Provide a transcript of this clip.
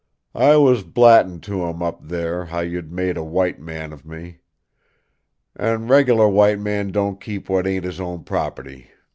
"I was blattin' to 'em, up there, how you'd made a white man of me. An' a reg'lar white man don't keep what ain't his own prop'ty.